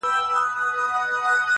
قاتل ژوندی دی، مړ یې وجدان دی.